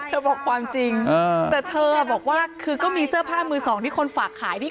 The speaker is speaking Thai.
เธอบอกความจริงแต่เธอบอกว่าก็มีเสื้อผ้ามือ๒ที่คนฝากขาย